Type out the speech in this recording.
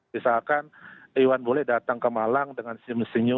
misalkan iwan bule datang ke malang dengan senyum senyum